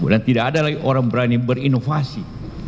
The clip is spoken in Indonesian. dan tidak ada lagi orang berani berinovasi